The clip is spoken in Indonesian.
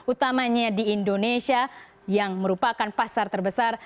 utamanya di indonesia yang merupakan pasar terbesar